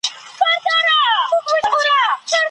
که انلاین مواد لاسرسۍ ولري، معلومات نه ورکېږي.